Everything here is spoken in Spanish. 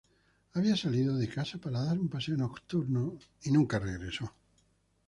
Había salido de casa para dar un paseo nocturno y nunca regresó.